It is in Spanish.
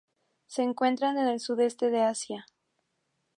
Se encuentran en el sudeste de Asia.